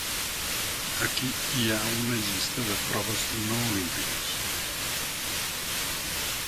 Aquí hi ha una llista de proves no olímpiques.